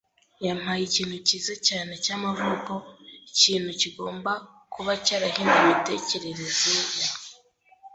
Yampaye ikintu cyiza cyane cyamavuko. Ikintu kigomba kuba cyarahinduye imitekerereze ya